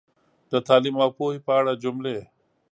د تعلیم او پوهې په اړه جملې